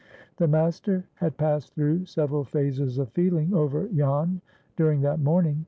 The master had passed through several phases of feeling over Jan during that morning.